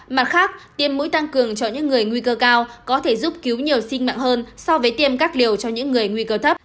mặt khác tiêm mũi tăng cường cho những người nguy cơ cao có thể giúp cứu nhiều sinh mạng hơn so với tiêm các liều cho những người nguy cơ thấp